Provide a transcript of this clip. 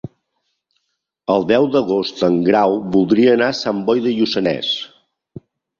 El deu d'agost en Grau voldria anar a Sant Boi de Lluçanès.